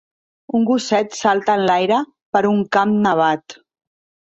Un gosset salta enlaire per un camp nevat.